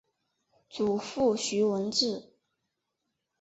祖父徐文质。